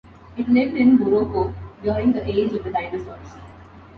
It lived in Morocco during the age of the dinosaurs.